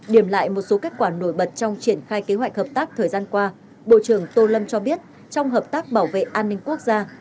điểm lại một số kết quả nổi bật trong triển khai kế hoạch hợp tác thời gian qua bộ trưởng tô lâm cho biết trong hợp tác bảo vệ an ninh quốc gia